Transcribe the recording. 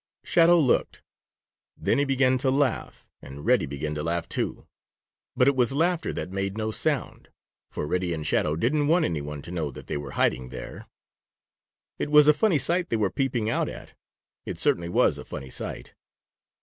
Shadow looked. Then he began to laugh, and Reddy began to laugh, too. But it was laughter that made no sound, for Reddy and Shadow didn't want any one to know that they were hiding there. It was a funny sight they were peeping out at. It certainly was a funny sight.